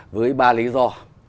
với ba lý do